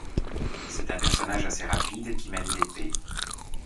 C'est un personnage assez rapide qui manie l'épée.